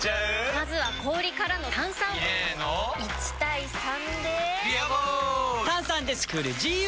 まずは氷からの炭酸！入れの１：３で「ビアボール」！